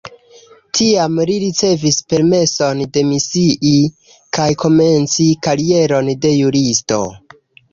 Tiam li ricevis permeson demisii kaj komenci karieron de juristo.